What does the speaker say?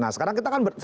nah sekarang kita kan